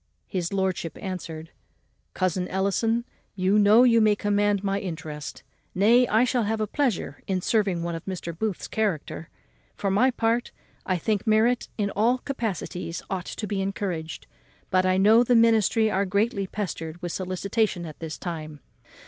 His lordship answered, "Cousin Ellison, you know you may command my interest; nay, I shall have a pleasure in serving one of Mr. Booth's character: for my part, I think merit in all capacities ought to be encouraged, but I know the ministry are greatly pestered with solicitations at this time.